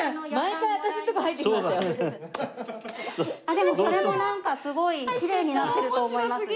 でもそれもなんかすごいきれいになってると思いますね。